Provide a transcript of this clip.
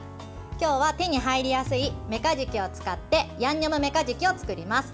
今日は手に入りやすいめかじきを使ってヤンニョムめかじきを作ります。